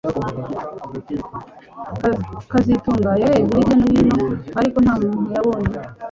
kazitunga yarebye hirya no hino ariko nta muntu yabonye